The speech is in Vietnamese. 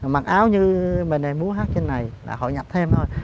mặc áo như mình này múa hát trên này là họ nhập thêm thôi